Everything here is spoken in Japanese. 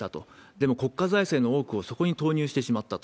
でも、国家財政の多くをそこに投入してしまったと。